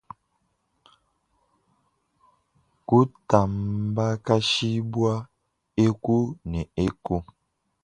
Kutambakashibua eku ne eku.